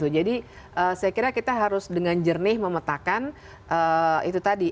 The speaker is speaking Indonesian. jadi saya kira kita harus dengan jernih memetakan itu tadi